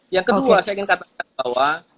yang kedua saya ingin katakan bahwa